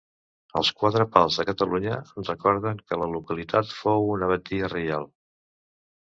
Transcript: Els quatre pals de Catalunya recorden que la localitat fou una batllia reial.